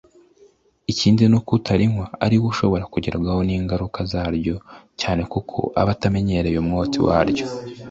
Ikindi ni uko utarinywa ari we ushobora kugerwaho n’ingaruka zaryo cyane kuko aba atamenyereye umwotsi waryo